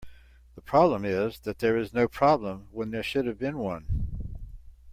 The problem is that there is no problem when there should have been one.